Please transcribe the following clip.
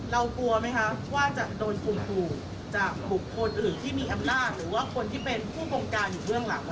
กลัวไหมคะว่าจะโดนข่มขู่จากบุคคลอื่นที่มีอำนาจหรือว่าคนที่เป็นผู้บงการอยู่เบื้องหลัง